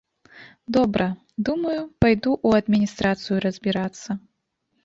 Добра, думаю, пайду ў адміністрацыю разбірацца.